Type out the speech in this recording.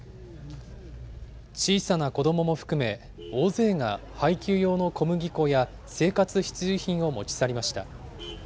小さな子どもも含め、大勢が配給用の小麦粉や生活必需品を持ち去りました。